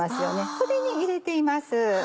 それに入れています。